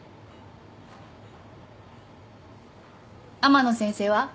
天野先生は？